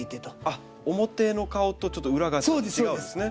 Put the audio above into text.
あっ表の顔とちょっと裏が違うんですね。